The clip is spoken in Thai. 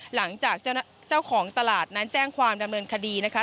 หลังจากเจ้าของตลาดนั้นแจ้งความดำเนินคดีนะคะ